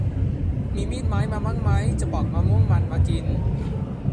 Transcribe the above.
มีมีดไม้มามั่งไหมจะปอกมะม่วงมันมากิน